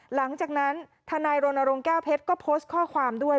หลังจากนั้นทนายรณรงค์แก้วเพชรก็โพสต์ข้อความด้วย